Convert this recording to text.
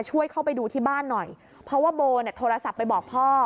ช่วยเข้าไปดูที่บ้านหน่อยเพราะว่าโบเนี่ยโทรศัพท์ไปบอกพ่อ